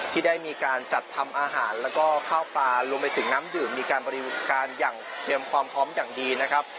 ที่ได้มีการจัดทำอาหารแล้วก็ข้าวปลารวมไปถึงน้ำดื่มมีการบริการอย่างเตรียมความพร้อมอย่างดีนะครับ